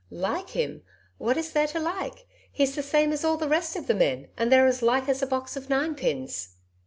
"Like him? What is there to like? He's the same as all the rest of the men, and they're as like as a box of ninepins..."